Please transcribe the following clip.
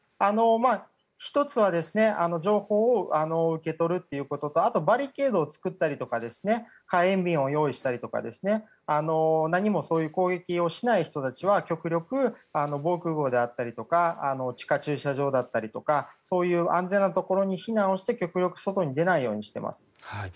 １つは情報を受け取るということとあとバリケードを作ったりとか火炎瓶を用意したりとか何も攻撃をしない人たちは防空壕であったりとか地下駐車場だったりとかそういう安全なところに避難をして極力外に出ないようにしています。